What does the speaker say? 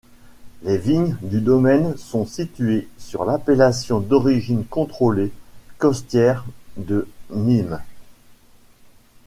Les vignes du domaine sont situées sur l’appellation d’origine contrôlée Costières-de-nîmes.